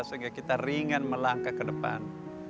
sehingga kita ringan melangkah ke depan